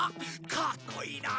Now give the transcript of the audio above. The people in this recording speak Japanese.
かっこいいなあ。